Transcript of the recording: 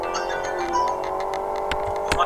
زه له سهاره مځکي ته ګورم!!